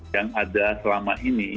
yang ada selama ini